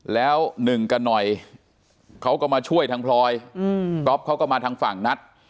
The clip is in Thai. แล้วหนึ่งกันหน่อยเขาก็มาช่วยทางพลอยก๊อฟเขาก็มาทางฝั่งนัด